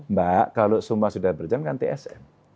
mbak kalau semua sudah berjalan kan tsm